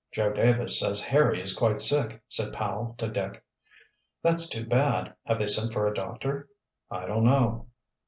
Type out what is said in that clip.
"Joe Davis says Harry is quite sick," said Powell to Dick. "That's too bad. Have they sent for a doctor?" "I don't know."